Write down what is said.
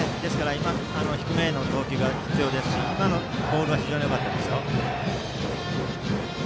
今、低めへの投球が必要ですし今のボールは非常によかったです。